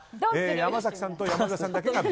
山崎さんと山添さんだけがＢ。